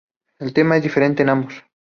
El tema es diferente en ambos.